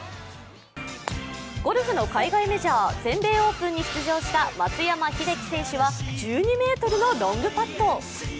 ゴルフの海外メジャー、全米オープンに出場した松山英樹選手は１２ｍのロングパット。